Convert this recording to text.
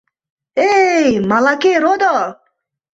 Э-э, Малакей родо!